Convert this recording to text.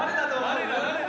誰だ？